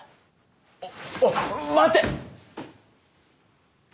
おっお待て！